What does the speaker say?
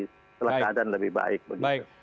setelah keadaan lebih baik